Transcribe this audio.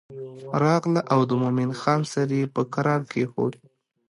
راغله او د مومن خان سر یې په کرار کېښود.